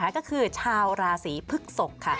ก็คือชาวราศีพฤกษกค่ะ